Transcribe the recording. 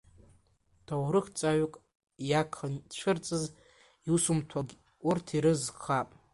Ҭоурыхҭҵааҩык иагхан ицәырҵыз, иусумҭагь урҭ ирызкхап…